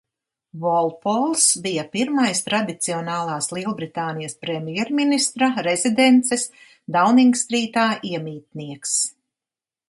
Volpols bija pirmais tradicionālās Lielbritānijas premjerministra rezidences Dauningstrītā iemītnieks.